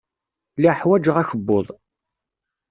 Lliɣ ḥwajeɣ akebbuḍ.